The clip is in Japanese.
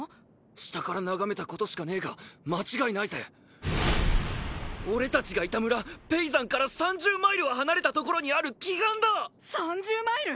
下から眺めたことしかねえが間違いないぜ俺達がいた村ペイザンから３０マイルは離れたところにある奇岩だ３０マイル！？